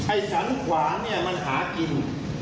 ไอ้สันขวานี่มันหากิน